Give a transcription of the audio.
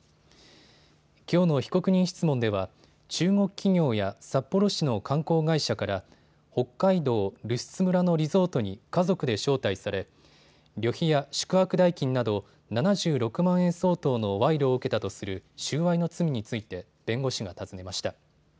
きょうの被告人質問では中国企業や札幌市の観光会社から北海道留寿都村のリゾートに家族で招待され旅費や宿泊代金など７６万円相当の賄賂を受けたとする収賄の罪について弁護士が尋ねました。